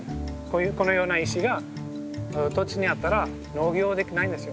このような石が土地にあったら農業はできないんですよ。